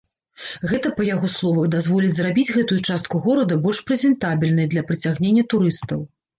Гэта, па яго словах, дазволіць зрабіць гэтую частку горада больш прэзентабельнай для прыцягнення турыстаў.